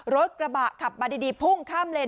รถกระบะขับประดิษฐ์พุ่งข้ามเลน